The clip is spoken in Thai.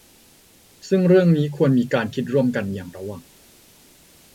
ซึ่งเรื่องนี้ควรมีการคิดร่วมกันอย่างระวัง